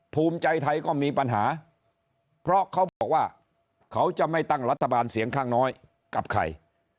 ภูมิใจไทยก็มีปัญหาเพราะเขาบอกว่าเขาจะไม่ตั้งรัฐบาลเสียงข้างน้อยกับใคร